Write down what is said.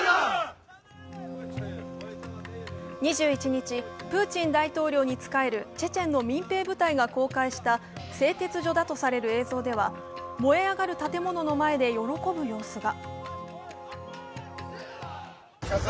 ２１日、プーチン大統領に仕えるチェチェンの民兵部隊が公開した製鉄所だとされる映像では、燃え上がる建物の前で喜ぶ様子が。